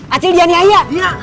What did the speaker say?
acik dia niaya